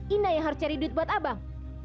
ina yang harus cari duit buat abang